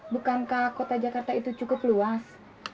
bukankah kota jakarta itu cukup luas